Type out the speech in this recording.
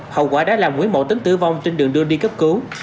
hậu quả đã làm nguyễn mậu tính tử vong trên đường đưa đi cấp cứu